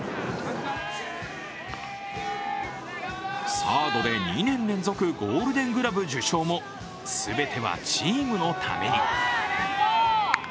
サードで２年連続ゴールデングラブ受賞も全てはチームのために。